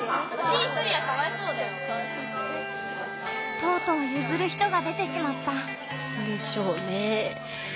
とうとうゆずる人が出てしまった。でしょうね。